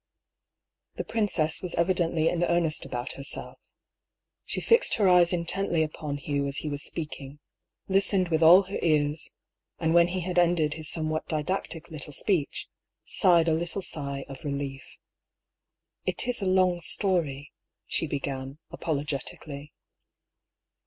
The princess was evidently in earnest about herself. She fixed her eyes intently upon Hugh as he was speak ing, listened with all her ears, and when he had ended his somewhat didactic little speech, sighed a little sigh of relief. " It is a long story," she began, apologetically.